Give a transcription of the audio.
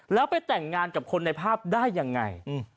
แล้วไปแต่งงานกับคนในภาพได้ยังไง